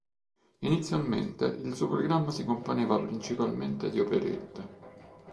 Inizialmente, il suo programma si componeva principalmente di operette.